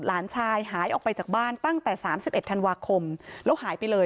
หลานชายหายออกไปจากบ้านตั้งแต่๓๑ธันวาคมแล้วหายไปเลย